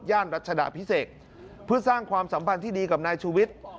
รัชดาพิเศษเพื่อสร้างความสัมพันธ์ที่ดีกับนายชูวิทย์